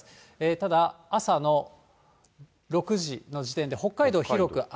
ただ、朝の６時の時点で、北海道、広く雨。